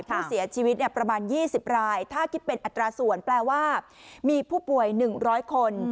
ผู้เสียชีวิตประมาณ๒๐รายถ้าคิดเป็นอัตราส่วนแปลว่ามีผู้ป่วย๑๐๐คน